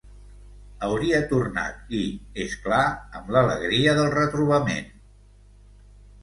Hauria tornat i, és clar, amb l'alegria del retrobament...